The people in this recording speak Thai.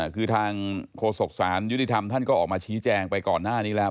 คือทางโฆษกศาลยุติธรรมท่านก็ออกมาชี้แจงไปก่อนหน้านี้แล้ว